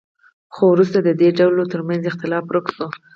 خو وروسته د دې ډلو ترمنځ اختلاف ورک شو.